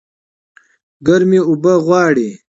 ګرمي اوبه غواړي